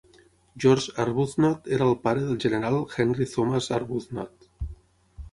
George Arbuthnot era el pare del general Henry Thomas Arbuthnot.